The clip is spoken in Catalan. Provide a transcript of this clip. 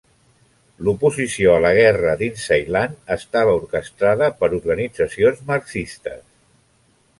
L'oposició a la guerra dins Ceilan estava orquestrada per organitzacions marxistes.